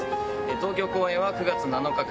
東京公演は９月７日から。